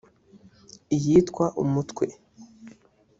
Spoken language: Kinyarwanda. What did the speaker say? iyitwa ’Umutwe’